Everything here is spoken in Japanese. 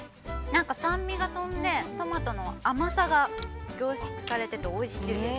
◆なんか酸味が飛んでトマトの甘さが凝縮されてて、おいしいです。